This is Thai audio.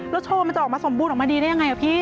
แล้วโชว์มันจะออกมาสมบูรณ์ออกมาดีได้ยังไงพี่